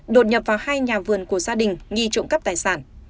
đột nhập vào hai nhà vườn của gia đình nghi trộm cắp tài sản